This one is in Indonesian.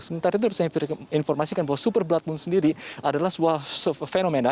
sementara itu saya informasikan bahwa super blood moon sendiri adalah sebuah fenomena